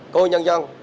cô nhân dân